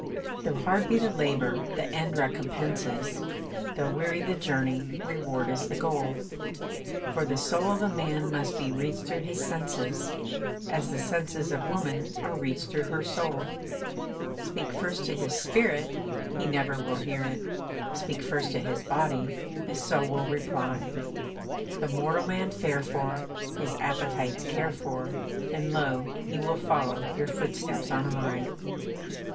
Though hard be the labour, the end recompenses Though weary the journey, reward is the goal. For the soul of a man must be reached through his senses, As the senses of woman are reached through her soul. Speak first to his spirit, he never will hear it; Speak first to his body, his soul will reply; The mortal man fare for, his appetites care for, And lo! he will follow your footsteps on high.